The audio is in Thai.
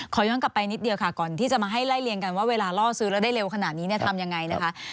ย้อนกลับไปนิดเดียวค่ะก่อนที่จะมาให้ไล่เรียงกันว่าเวลาล่อซื้อแล้วได้เร็วขนาดนี้เนี่ยทำยังไงนะคะ